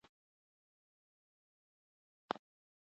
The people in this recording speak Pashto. که مراد ځمکه لرلی وای، اوس به خوشاله و.